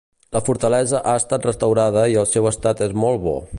La fortalesa ha estat restaurada i el seu estat és molt bo.